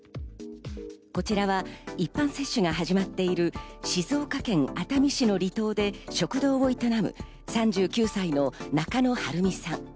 こちらは一般接種が始まっている、静岡県熱海市の離島で食堂を営む３９歳の中野晴美さん。